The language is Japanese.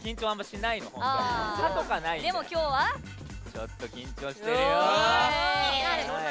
ちょっと緊張してるよ！